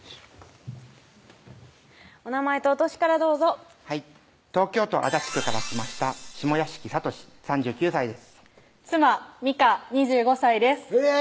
お名前とお歳からどうぞはい東京都足立区から来ました下屋敷聡３９歳です妻・美夏２５歳ですへぇ！